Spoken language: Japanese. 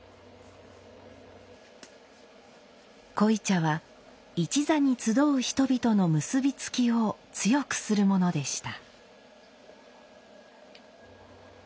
濃茶は一座に集う人々の結び付きを強くするものでした。